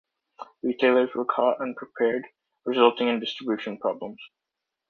Retailers were caught unprepared, resulting in distribution problems.